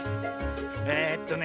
えっとね